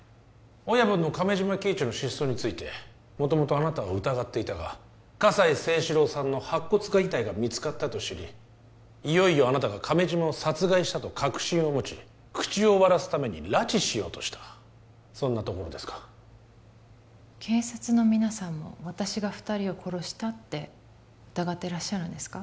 親分の亀島喜一の失踪について元々あなたを疑っていたが葛西征四郎さんの白骨化遺体が見つかったと知りいよいよあなたが亀島を殺害したと確信を持ち口を割らすために拉致しようとしたそんなところですか警察の皆さんも私が二人を殺したって疑ってらっしゃるんですか？